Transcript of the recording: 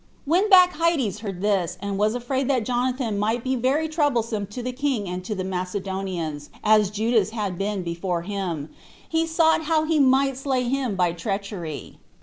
2. When Bacchides heard this, and was afraid that Jonathan might be very troublesome to the king and the Macedonians, as Judas had been before him, he sought how he might slay him by treachery.